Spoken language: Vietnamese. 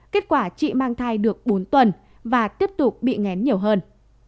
kết quả chị mang thai được bốn tuần và tiếp tục bị ngén nhiều hơn